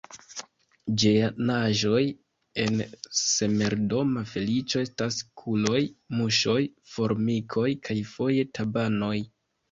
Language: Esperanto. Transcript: Ĝenaĵoj en somerdoma feliĉo estas kuloj, muŝoj, formikoj kaj foje tabanoj.